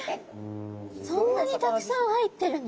そんなにたくさん入ってるの？